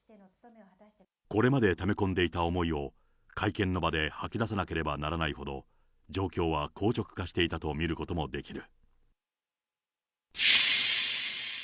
これまでため込んでいた思いを、会見の場で吐き出さなければならないほど、状況は硬直化していたと見ることもできる。